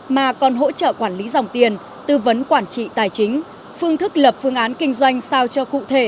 mà còn hỗ trợ quản lý dòng tiền tư vấn quản trị tài chính phương thức lập phương án kinh doanh sao cho cụ thể